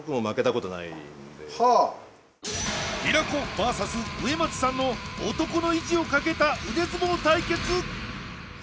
ＶＳ植松さんの男の意地をかけた腕相撲対決